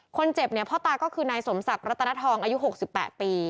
คนเจ็บเนี่ยพ่อตาก็คือนายสมศักดิ์รัตนทองอายุ๖๘ปี